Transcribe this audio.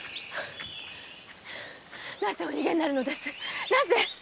なぜお逃げになるのですかなぜ？